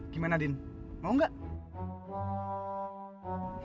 gimana din mau gak